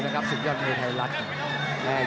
เชียร์สนุกลุกไปมาสะดวกเลยนะครับสุดยอดในไทยรัฐ